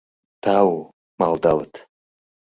— Тау, — малдалыт.